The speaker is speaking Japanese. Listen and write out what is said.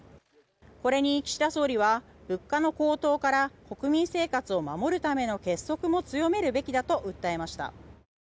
これに岸田総理は物価の高騰から国民生活を守るための結束も強めるべきだと訴えました。